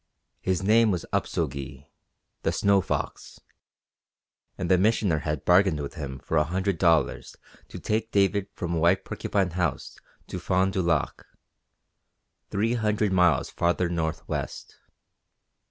His name was Upso Gee (the Snow Fox), and the Missioner had bargained with him for a hundred dollars to take David from White Porcupine House to Fond du Lac, three hundred miles farther northwest.